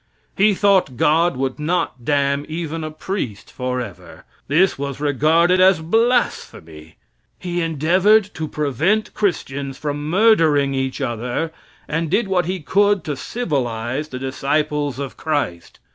He thought God would not damn even a priest forever. This was regarded as blasphemy. He endeavored to prevent Christians from murdering each other, and did what he could to civilize the disciples of Christ.